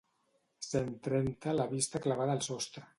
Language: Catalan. Cent trenta la vista clavada al sostre.